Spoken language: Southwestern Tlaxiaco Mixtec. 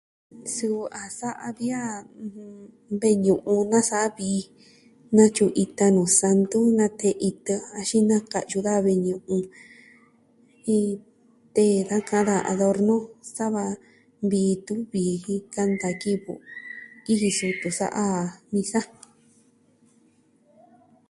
Suu a sa'a vi a, ɨjɨn, ve'i ñu'un nasa'a vii. natyu'un ita nuu santu, natee itɨ axin naka'yu daja ve'i ñu'un. Iin, tee da kaa da adornu sa va vii tun viji kanta kivɨ kiji sutu, sa'a ja misa.